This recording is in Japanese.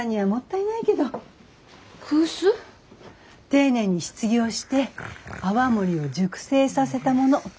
丁寧に仕次ぎをして泡盛を熟成させたもの。